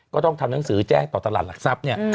ก็ต้องทำหนังสือแจ้งต่อตลาดหลักทรัพย์เนี่ย